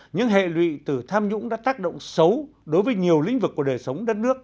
những hệ lụy từ tham nhũng đã tác động xấu đối với nhiều lĩnh vực của đời sống đất nước